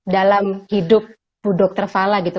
dalam hidup budok terfala gitu